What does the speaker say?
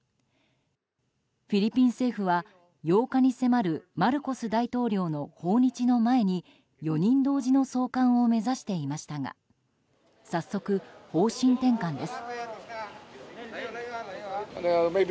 フィリピン政府は８日に迫るマルコス大統領の訪日の前に４人同時の送還を目指していましたが早速、方針転換です。